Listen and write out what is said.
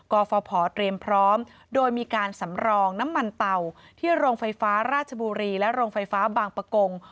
กฟภเตรียมพร้อมโดยมีการสำรองน้ำมันเตาที่โรงไฟฟ้าราชบุรีและโรงไฟฟ้าบางประกง